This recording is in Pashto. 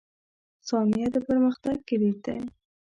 • ثانیه د پرمختګ کلید ده.